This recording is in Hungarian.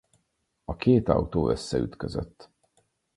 A két autó összeütközött.